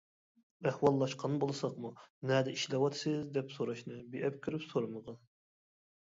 ئەھۋاللاشقان بولساقمۇ، ‹ ‹نەدە ئىشلەۋاتىسىز؟ ›› دەپ سوراشنى بىئەپ كۆرۈپ سورىمىغان.